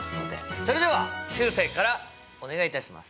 それではしゅうせいからお願いいたします。